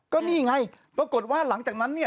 ก็นี่ไงปรากฏว่าหลังจากนั้นเนี่ย